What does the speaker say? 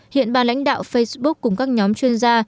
hiện bà lãnh đạo facebook cùng các nhóm chuyên gia